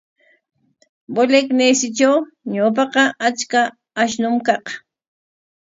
Bolegnesitraw ñawpaqa achka ashnum kaq.